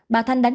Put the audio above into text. bà thanh đánh